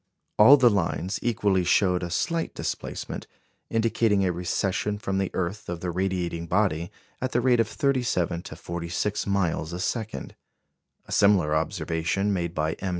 All the lines equally showed a slight displacement, indicating a recession from the earth of the radiating body at the rate of 37 to 46 miles a second. A similar observation, made by M.